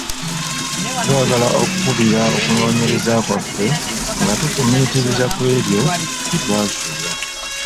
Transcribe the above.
Twagala okukubira okunooyereza kwaffe nga tufumiitiriza kwebyo bye twazuula.